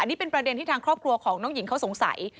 นี่เป็นประเด็นที่ทางครอบครัวของน้องหญิงเขาสงสัย